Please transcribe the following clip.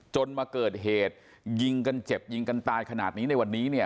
จนมาเกิดเหตุยิงกันเจ็บยิงกันตายขนาดนี้ในวันนี้เนี่ย